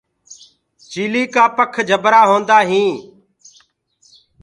چيِلي ڪآ پک جبرآ هيندآ هينٚ۔